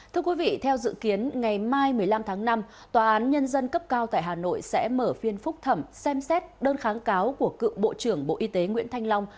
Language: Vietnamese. thưa quý vị theo dự kiến ngày mai một mươi năm tháng năm tòa án nhân dân cấp cao tại hà nội sẽ mở phiên phúc thẩm xem xét đơn kháng cáo của cựu bộ trưởng bộ y tế nguyễn thanh long